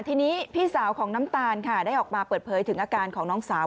ทีนี้พี่สาวของน้ำตาลค่ะได้ออกมาเปิดเผยถึงอาการของน้องสาว